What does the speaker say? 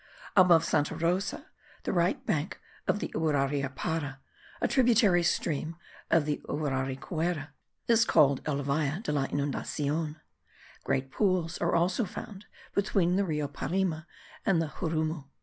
Above Santa Rosa, the right bank of the Urariapara, a tributary stream of the Uraricuera, is called el Valle de la Inundacion. Great pools are also found between the Rio Parima and the Xurumu.